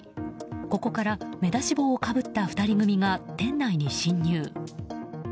ここから、目出し帽をかぶった２人組が店内に侵入。